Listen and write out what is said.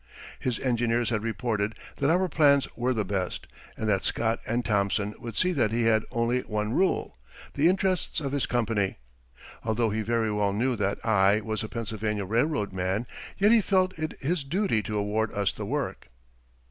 His engineers had reported that our plans were the best and that Scott and Thomson would see that he had only one rule the interests of his company. Although he very well knew that I was a Pennsylvania Railroad man, yet he felt it his duty to award us the work.